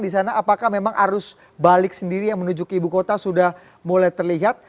karena apakah memang arus balik sendiri yang menuju ke ibu kota sudah mulai terlihat